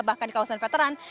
bahkan di kawasan veteran